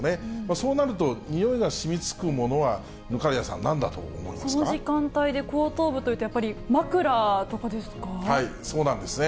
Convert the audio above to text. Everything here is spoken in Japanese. そうなると、においが染みつくものは、その時間帯で後頭部というと、そうなんですね。